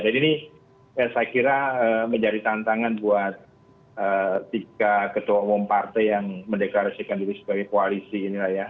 jadi ini saya kira menjadi tantangan buat tiga ketua umum partai yang mendeklarasikan diri sebagai koalisi inilah ya